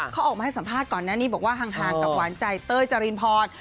เขาออกมาให้สัมภาษณ์ก่อนหน้านี้บอกว่าห่างกับหวานใจเต้ยจรินพร